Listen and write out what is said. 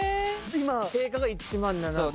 ・定価が１万７，０００。